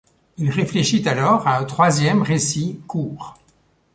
Il réfléchit alors à un troisième récit court.